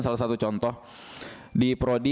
salah satu contoh di prodi